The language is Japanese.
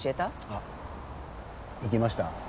あっ行きました？